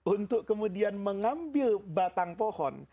untuk kemudian mengambil batang pohon